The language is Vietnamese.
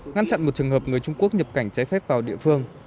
ngăn chặn một trường hợp người trung quốc nhập cảnh trái phép vào địa phương